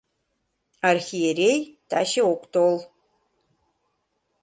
— Архиерей таче ок тол...